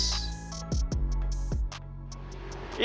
toleransi dan kerukunan umat beragama di pujamandala